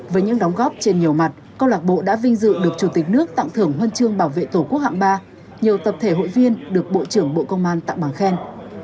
với những đóng góp trên nhiều mặt câu lạc bộ đã vinh dự được chủ tịch nước tặng thưởng huân chương bảo vệ tổ quốc hạng ba nhiều tập thể hội viên được bộ trưởng bộ công an tặng bằng khen